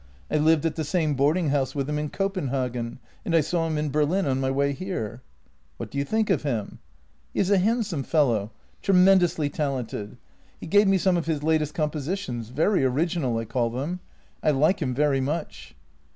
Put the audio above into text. I lived at the same boarding house with him in Copenhagen, and I saw him in Berlin on my way here." " What do you think of him ?"" He is a handsome fellow, tremendously talented. He gave me some of his . latest compositions — very original, I call them. I like him very much."